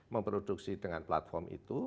memproduksi dengan platform itu